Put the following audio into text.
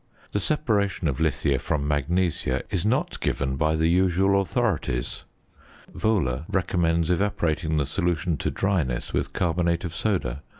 The separation of lithia from magnesia is not given by the usual authorities. Wohler recommends evaporating the solution to dryness with carbonate of soda.